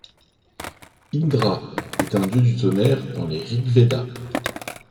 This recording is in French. Indra est un dieu du tonnerre dans les Rig-vedas.